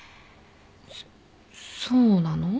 そっそうなの？